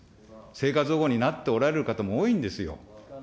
生活保護になっておられる方も多いんですよ。